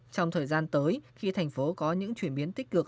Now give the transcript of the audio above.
trong thời gian tới khi thành phố có những chuyển biến tích cực